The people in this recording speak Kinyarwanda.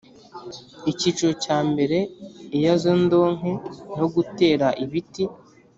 icyiciro cya mbere iyezandonke no gutera ibiti